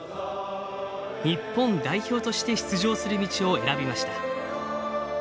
日本代表として出場する道を選びました。